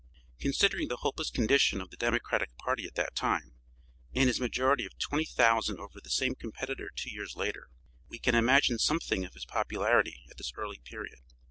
Considering the hopeless condition of the Democratic party at that time, and his majority of 20,000 over the same competitor two years later, we can imagine something of his popularity at this early period.